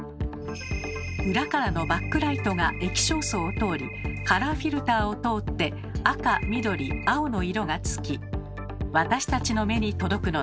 裏からのバックライトが液晶層を通りカラーフィルターを通って赤緑青の色がつき私たちの目に届くのです。